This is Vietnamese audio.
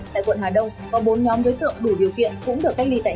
tại quận hà đông có bốn nhóm đối tượng đủ